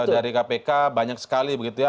dari kpk banyak sekali begitu ya